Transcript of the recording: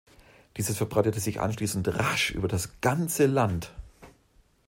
Dieses verbreitete anschließend rasch über das ganze Land.